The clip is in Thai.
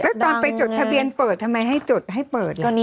แล้วตอนไปจดทะเบียนเปิดทำไมให้จดให้เปิด